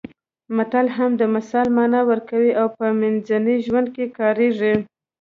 متل هم د مثال مانا ورکوي او په ورځني ژوند کې کارېږي